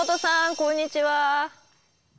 こんにちは。